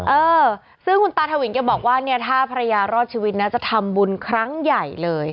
เออซึ่งคุณตาทวินแกบอกว่าเนี่ยถ้าภรรยารอดชีวิตนะจะทำบุญครั้งใหญ่เลย